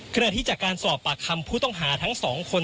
ขณะที่จากการสอบปากคำผู้ต้องหาทั้งสองคน